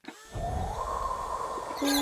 সবাই ওর বড় নাক নিয়ে পড়ে আছে।